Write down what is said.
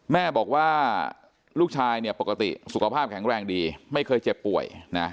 แม่บอกว่าลูกชายเนี่ยปกติสุขภาพแข็งแรงดีไม่เคยเจ็บป่วยนะ